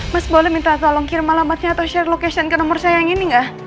mas boleh minta tolong kir malamatnya atau share location ke nomor saya yang ini nggak